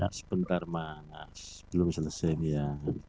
mas sebentar mas belum selesai ya